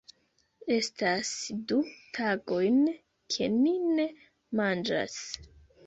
Estas du tagojn ke ni ne manĝas.